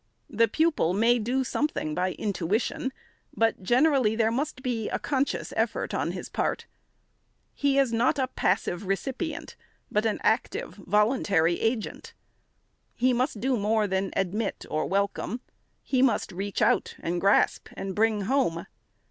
The pupil may do something by intuition, but generally there must be a conscious effort on his part. He is not a passive recipient, but an active, voluntary agent. He must do more than admit or welcome ; he must reach out, and grasp, and bring home.